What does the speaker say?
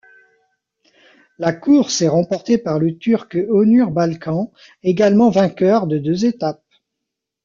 La course est remportée par le Turc Onur Balkan, également vainqueur de deux étapes.